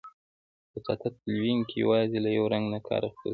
په ساده تلوین کې یوازې له یو رنګ نه کار اخیستل کیږي.